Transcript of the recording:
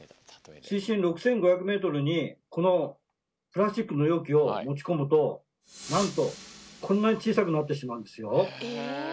水深６，５００ｍにこのプラスチックの容器を持ちこむとなんとこんなに小さくなってしまうんですよ。